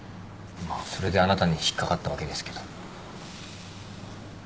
まあそれであなたに引っ掛かったわけですけど。